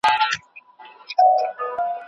د ارغنداب سیند شفافې اوبه خلک تازه ساتي.